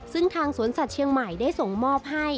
ซึ่งทางสวนสัตว์เชียงใหม่ได้ส่งมอบให้